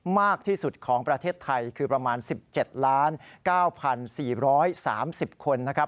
มากที่สุดของประเทศไทยคือประมาณ๑๗๙๔๓๐คนนะครับ